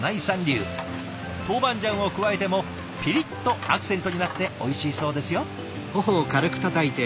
トウバンジャンを加えてもピリッとアクセントになっておいしいそうですよ。